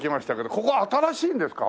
ここ新しいんですか？